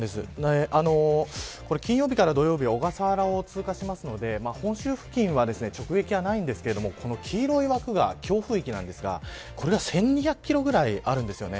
金曜日から土曜日は小笠原を通過しますので本州付近は、直撃はないんですがこの黄色い枠が強風域なんですがこれが１２００キロくらいあるんです。